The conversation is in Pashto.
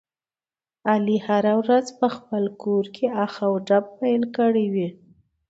علي هره ورځ په خپل کورکې اخ او ډب پیل کړی وي.